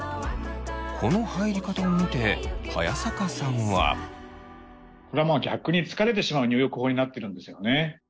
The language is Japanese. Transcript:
この入り方を見て早坂さんは。これは逆に疲れてしまう入浴法になってるんですよね。